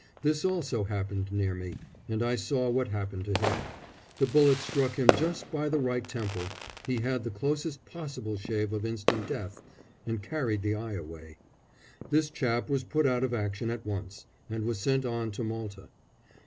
This also happened near me, and I saw what happened to him. The bullet struck him just by the right temple he had the closest possible shave of instant death and carried the eye away. This chap was put out of action at once, and was sent on to Malta.